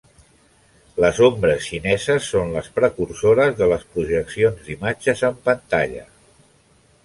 Les ombres xineses són les precursores de les projeccions d'imatges en pantalla.